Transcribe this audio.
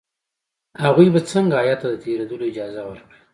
هغوی به څنګه هیات ته د تېرېدلو اجازه ورکړي.